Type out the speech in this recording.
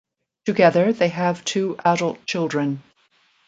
Together they have two adult children.